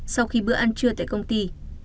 sau khi bữa ăn trưa tại công ty